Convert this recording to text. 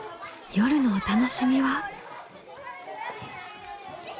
夜のお楽しみは。